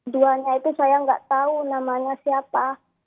duanya itu saya nggak tahu namanya siapa